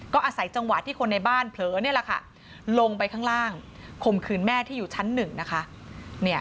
ก็อาศัยจังหวะที่คนในบ้านเผลอลงไปข้างล่างข่มขืนแม่ที่อยู่ชั้น๑นะคะ